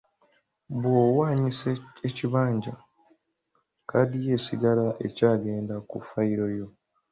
Bw'owaanyisa ekibanja, kkaadi yo esigala ekyagenda ku ffayiro yo.